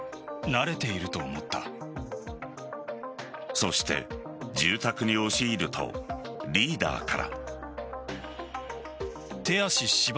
そして住宅に押し入るとリーダーから。